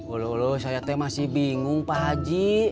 ololoh saya tuh masih bingung pak haji